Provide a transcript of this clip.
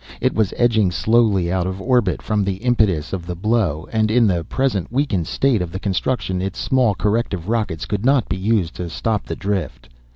It was edging slowly out of orbit from the impetus of the blow, and in the present weakened state of the construction its small corrective rockets could not be used to stop the drift.